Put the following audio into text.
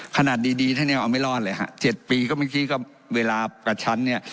ขนาดดีดีท่านยังเอาไม่รอดเลยฮะ๗ปีก็เมื่อกี้ก็เวลากระชั้นเนี่ย